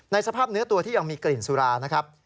สภาพเนื้อตัวที่ยังมีกลิ่นสุรานะครับ